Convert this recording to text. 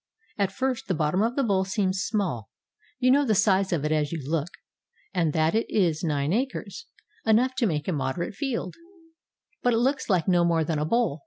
At first the bottom of the bowl seems small. You know the size of it as you look, — and that it is nine acres, enough to make a moderate field, — but it looks like no more than a bowl.